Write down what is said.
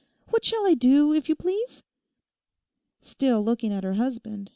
What shall I do, if you please?' Still looking at her husband.